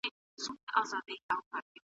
د تاریخي حقایقو څرګندول وخت نیسي.